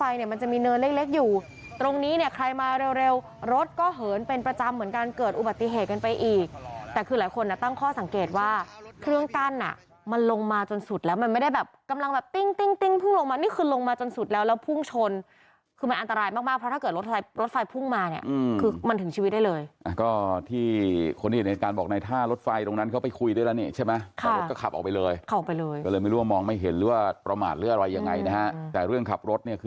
รถไฟเนี่ยมันจะมีเนินเล็กอยู่ตรงนี้เนี่ยใครมาเร็วรถก็เหินเป็นประจำเหมือนกันเกิดอุบัติเหตุกันไปอีกแต่คือหลายคนนะตั้งข้อสังเกตว่าเครื่องกั้นน่ะมันลงมาจนสุดแล้วมันไม่ได้แบบกำลังแบบติ้งติ้งลงมานี่คือลงมาจนสุดแล้วแล้วพุ่งชนคือมันอันตรายมากเพราะถ้าเกิดรถไ